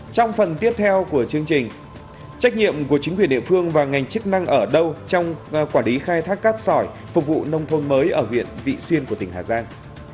trong phần tiếp theo của chương trình trách nhiệm của chính quyền địa phương và ngành chức năng ở đâu trong quản lý khai thác cát sỏi phục vụ nông thôn mới ở huyện vị xuyên của tỉnh hà giang